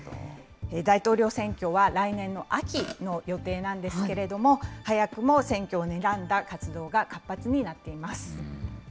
大統領選挙は来年の秋の予定なんですけれども、早くも選挙をにらんだ活動が活発になっています。